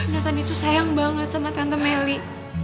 tante itu sayang banget sama tante melly